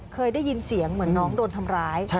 เคยได้ยินเสียงเหมือนน้องโดนทำร้าย